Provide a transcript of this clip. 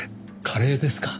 カレーですか。